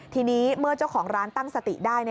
ทีนี้เมื่อเจ้าของร้านตั้งสติได้